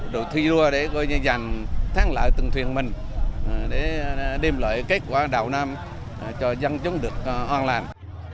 rồi thi đua để dành tháng lợi từng thuyền mình để đem lại kết quả đảo nam cho dân chúng được hoan lành